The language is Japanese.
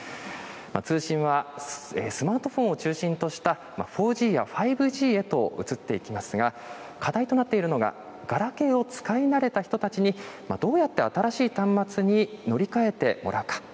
通信はスマートフォンを中心とした４Ｇや５Ｇへと移っていきますが、課題となっているのがガラケーを使い慣れた人たちに、どうやって新しい端末に乗り換えてもらうか。